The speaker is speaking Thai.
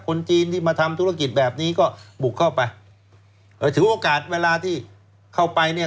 คนจีนที่มาทำธุรกิจแบบนี้ก็บุกเข้าไปเอ่อถือโอกาสเวลาที่เข้าไปเนี่ย